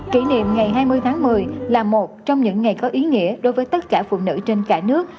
kỷ niệm ngày hai mươi tháng một mươi là một trong những ngày có ý nghĩa đối với tất cả phụ nữ trên cả nước